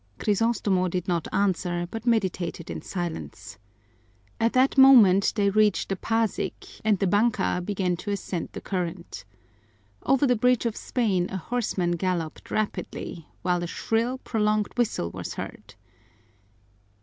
Crisostomo did not answer, but meditated in silence. At that moment they reached the Pasig and the banka began to ascend the current. Over the Bridge of Spain a horseman galloped rapidly, while a shrill, prolonged whistle was heard.